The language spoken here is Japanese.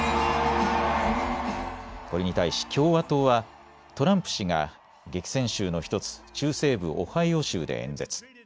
これに対し共和党はトランプ氏が激戦州の１つ、中西部オハイオ州で演説。